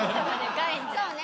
そうね。